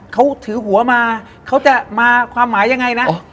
เขาถือหัวมาเขาจะมาความหมายยังไงนะ